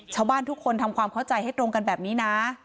ชาวบ้านทุกคนทำความเข้าใจให้ตรงกันแบบนี้นะ